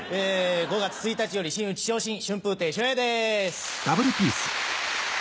５月１日より真打ち昇進春風亭昇也です。